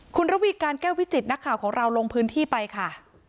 คุณระวีการแก้ววิจิตนักข่าวของเราลงพื้นที่ไปค่ะ